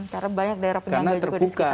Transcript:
karena banyak daerah penjaga juga di sekitarnya